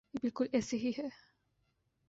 یہ بالکل ایسے ہی ہے۔